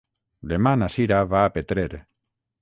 Demà na Cira va a Petrer.